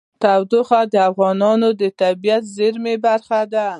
تودوخه د افغانستان د طبیعي زیرمو برخه ده.